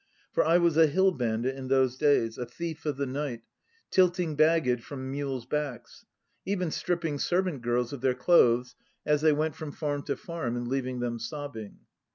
For I was a hill bandit in those days, a thief of the night, tilting baggage from mules' backs; even stripping servant girls of their clothes, as they went from farm to farm, and leaving them sobbing.